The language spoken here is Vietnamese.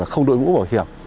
không đội ngũ bảo hiểm